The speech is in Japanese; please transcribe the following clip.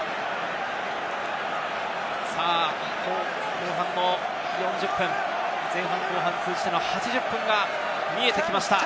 後半の４０分、前半後半通じての８０分が見えてきました。